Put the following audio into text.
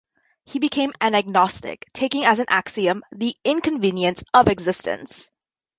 He became an agnostic, taking as an axiom "the inconvenience of existence".